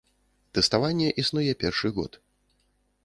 Тэставанне існуе першы год.